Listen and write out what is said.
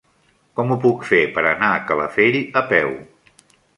Com ho puc fer per anar a Calafell a peu?